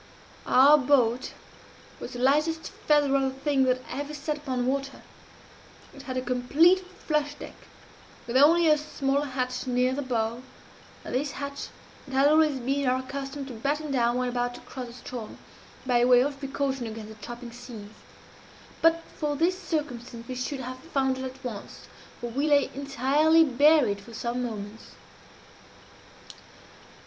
"Our boat was the lightest feather of a thing that ever sat upon water. It had a complete flush deck, with only a small hatch near the bow, and this hatch it had always been our custom to batten down when about to cross the Ström, by way of precaution against the chopping seas. But for this circumstance we should have foundered at once for we lay entirely buried for some moments.